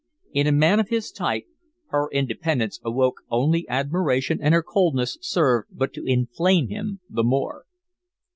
In a man of his type, her independence awoke only admiration and her coldness served but to inflame him the more.